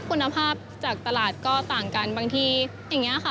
คุณภาพจากตลาดก็ต่างกันบางทีอย่างนี้ค่ะ